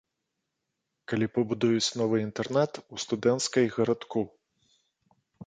Калі пабудуюць новы інтэрнат у студэнцкай гарадку.